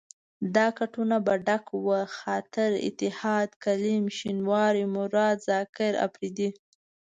دا کټونه به ډک وو، خاطر، اتحاد، کلیم شینواری، مراد، زاکر اپرېدی.